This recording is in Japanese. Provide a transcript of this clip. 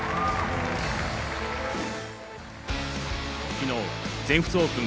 きのう全仏オープン